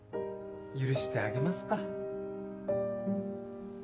許してあげますか。